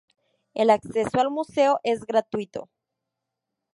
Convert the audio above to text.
El acceso al Museo es gratuito.